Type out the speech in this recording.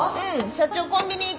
社長コンビニ行くって。